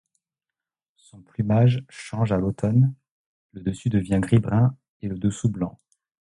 Son plumage change à l'automne, le dessus devient gris-brun et le dessous blanc.